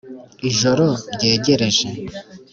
ijoro ryegereje.